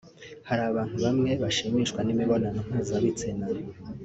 hari abantu bamwe bashimishwa n’imibonano mpuzabitsina